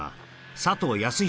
佐藤康弘